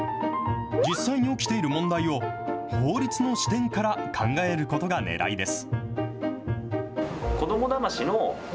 実際に起きている問題を、法律の視点から考えることがねらいです。